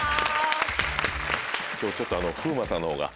今日ちょっとあの風磨さんのほうが。